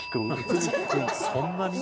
そんなに？